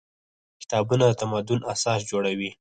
کتابونه د تمدن اساس جوړوي.